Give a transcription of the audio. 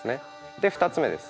で２つ目です。